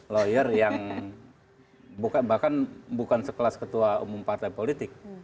lawyer yang bahkan bukan sekelas ketua umum partai politik